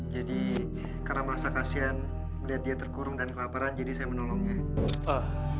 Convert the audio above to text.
jadi karena merasa kasian melihat dia terkurung dan kelaparan jadi saya menolongnya